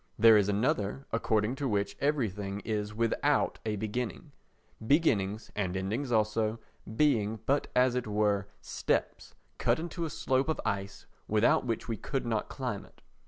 There is another according to which everything is without a beginning—beginnings, and endings also, being, but as it were, steps cut in a slope of ice without which we could not climb it.